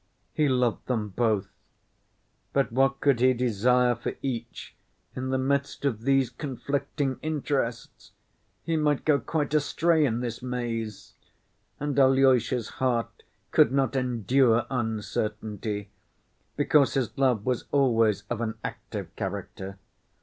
He loved them both, but what could he desire for each in the midst of these conflicting interests? He might go quite astray in this maze, and Alyosha's heart could not endure uncertainty, because his love was always of an active character.